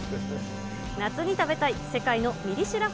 夏に食べたい世界のミリ知ら